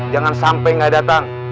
jangan sampai gak datang